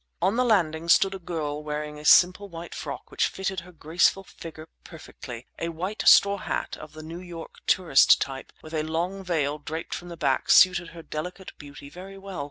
On the landing stood a girl wearing a simple white frock which fitted her graceful figure perfectly. A white straw hat, of the New York tourist type, with a long veil draped from the back suited her delicate beauty very well.